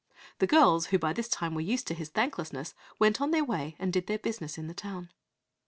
The girls, who by this time were used to his thanklessness, went on their way and did their business in the town.